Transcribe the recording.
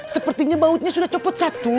sepertinya bautnya sudah copot satu